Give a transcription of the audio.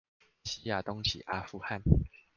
西亞東起阿富汗